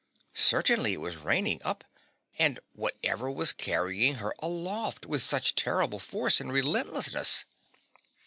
Certainly it was raining up, and what ever was carrying her aloft with such terrible force and relentlessness?